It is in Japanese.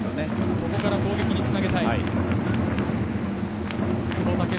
ここから攻撃につなげたい。